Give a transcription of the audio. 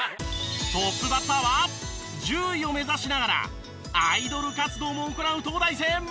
トップバッターは獣医を目指しながらアイドル活動も行う東大生真城さん。